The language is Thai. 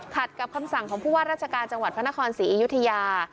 กับคำสั่งของผู้ว่าราชการจังหวัดพระนครศรีอยุธยา